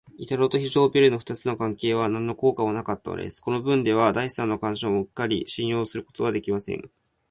板戸と非常ベルの二つの関所は、なんの効果もなかったのです。このぶんでは、第三の関所もうっかり信用することはできません。